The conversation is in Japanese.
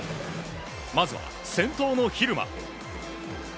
まずは、先頭の蛭間。